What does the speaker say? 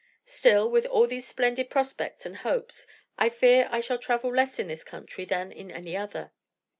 Still, with all these splendid prospects and hopes, I fear I shall travel less in this country than in any other.